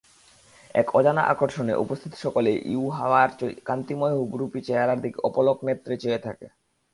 এক অজানা আকর্ষণে উপস্থিত সকলেই ইউহাওয়ার কান্তিময় হুররূপী চেহারার দিকে অপলক নেত্রে চেয়ে থাকে।